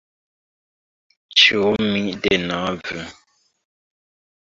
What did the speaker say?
Ĉu mi denove...